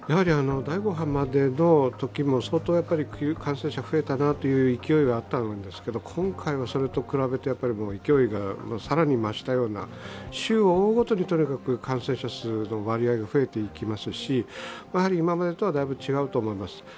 第５波までのときも相当感染者が増えたなという勢いがあったんですけど今回はそれと比べて勢いが更に増したような週を追うごとにとにかく感染者数の割合が増えていきますし今までとはだいぶ違うと思います。